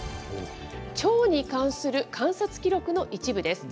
チョウに関する観察記録の一部です。